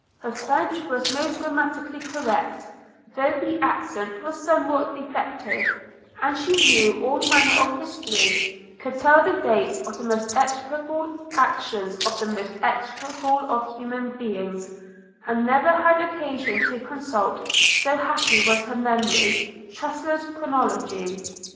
Her French was most grammatically correct, though the accent was somewhat defective; and she knew all manner of history – could tell the dates of the most execrable actions of the most execrable of human beings – and never had occasion to consult, so happy was her memory, Trusler's Chronology.